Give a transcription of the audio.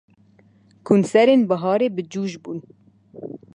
Konserên biharê bi coş bûn.